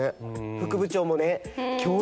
副部長もね強烈。